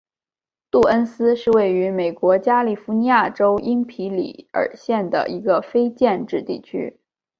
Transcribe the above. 杜恩斯是位于美国加利福尼亚州因皮里尔县的一个非建制地区。